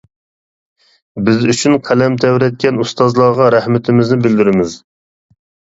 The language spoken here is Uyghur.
بىز ئۈچۈن قەلەم تەۋرەتكەن ئۇستازلارغا رەھمىتىمىزنى بىلدۈرىمىز.